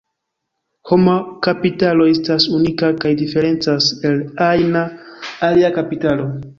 Homa kapitalo estas unika kaj diferencas el ajna alia kapitalo.